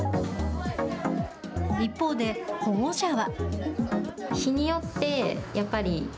一方で、保護者は。